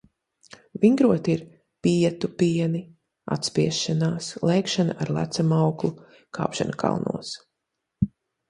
Vingrot ir - pietupieni, atspiešanās, lēkšana ar lecamauklu, kāpšana kalnos.